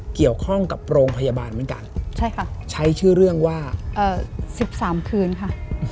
เกี่ยวข้องกับโรงพยาบาลเหมือนกันใช่ค่ะใช้ชื่อเรื่องว่า๑๓คืนค่ะ